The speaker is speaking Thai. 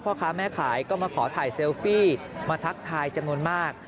ก็มาขอถ่ายเซลฟี่มาทักทายจำนวนมาก